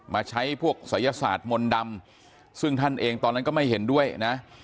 มาใช้พวกศัยศาสตร์มนต์ดำซึ่งท่านเองตอนนั้นก็ไม่เห็นด้วยนะ